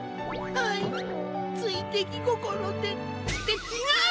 はいついできごころで。ってちがう！